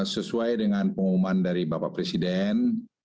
sesuai dengan pengumuman dari bapak presiden